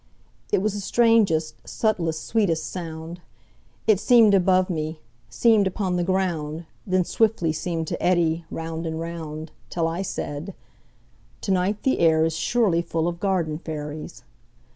It was the strangest, subtlest, sweetest sound:It seem'd above me, seem'd upon the ground, Then swiftly seem'd to eddy round and round, Till I said: "To night the air isSurely full of garden fairies."